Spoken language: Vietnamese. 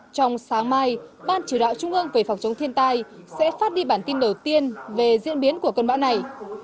trong sáng mai ban chỉ đạo trung ương về phòng chống thiên tai sẽ phát đi bản tin đầu tiên về diễn biến của cơn bão này